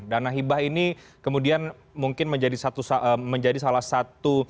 dana hibah ini kemudian mungkin menjadi salah satu asas dari pemerintah pariwisata dan ekonomi kreatif